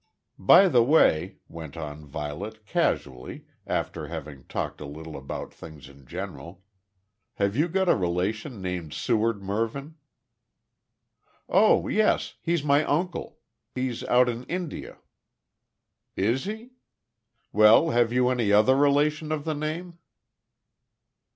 "By the way," went on Violet, casually, after having talked a little about things in general. "Have you got a relation named Seward Mervyn?" "Oh yes! He's my uncle. He's out in India." "Is he? Well have you any other relation of the name?"